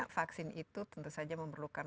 vaksin itu tentu saja memerlukan